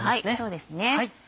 そうですね。